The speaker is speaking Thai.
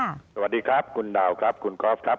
สวัสดีครับคุณดาวคุณกอฟครับ